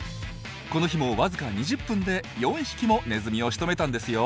この日もわずか２０分で４匹もネズミをしとめたんですよ。